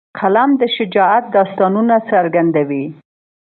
قلم د شجاعت داستانونه څرګندوي